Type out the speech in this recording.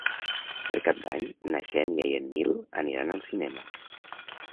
Per Cap d'Any na Xènia i en Nil aniran al cinema.